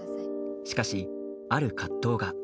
しかし、ある葛藤が。